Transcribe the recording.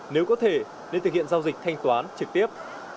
nếu có thể nên thực hiện giao dịch thanh toán trực tiếp